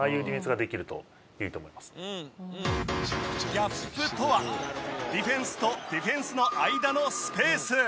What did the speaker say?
ギャップとはディフェンスとディフェンスの間のスペース。